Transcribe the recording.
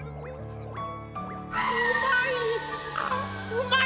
うまい！